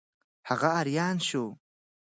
هغه آریان شو.